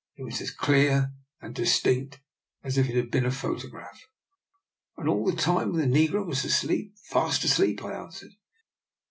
It was as clear and distinct as if it had been a photograph." " And all the time the negro was asleep? "" Fast asleep! " I answered.